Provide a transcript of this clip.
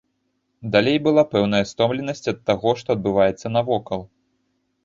Далей была пэўная стомленасць ад таго, што адбываецца навокал.